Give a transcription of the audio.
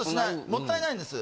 もったいないんです。